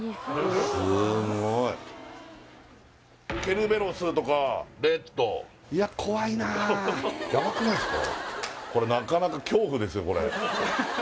すごいケルベロスとかレッドいや怖いなあヤバくないっすか？